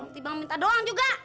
tidak minta doang juga